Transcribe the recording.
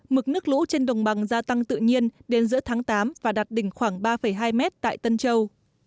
mực nước lũ trên đồng bằng gia tăng tự nhiên đến giữa tháng tám và đạt đỉnh khoảng ba hai mét tại tân châu